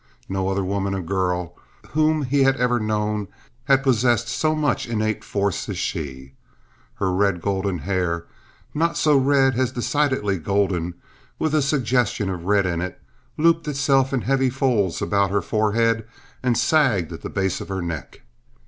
No other woman or girl whom he had ever known had possessed so much innate force as she. Her red gold hair—not so red as decidedly golden with a suggestion of red in it—looped itself in heavy folds about her forehead and sagged at the base of her neck.